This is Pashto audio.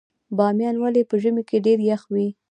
بامیان ولې په ژمي کې ډیر یخ وي؟